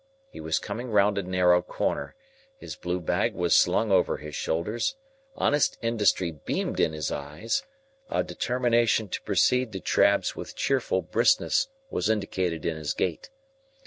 He was coming round a narrow corner. His blue bag was slung over his shoulder, honest industry beamed in his eyes, a determination to proceed to Trabb's with cheerful briskness was indicated in his gait.